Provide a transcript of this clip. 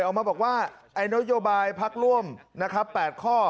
ออกมาบอกว่านโยบายพักร่วมนะครับ๘ข้อ